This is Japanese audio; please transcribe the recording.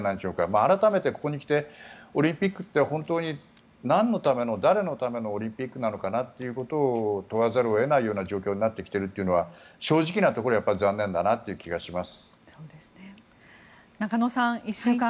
改めてここに来てオリンピックって本当になんのための、誰のためのオリンピックなのかなということを問わざるを得ないような状況になってきているというのは正直なところ残念だなという気がします。